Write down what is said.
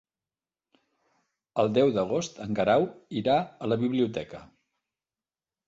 El deu d'agost en Guerau irà a la biblioteca.